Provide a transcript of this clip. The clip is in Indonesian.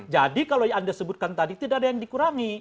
jadi kalau yang anda sebutkan tadi tidak ada yang dikurangi